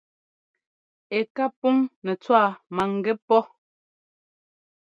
Ɛ ká puŋ nɛ́ tswá maŋgɛ́ pɔ́.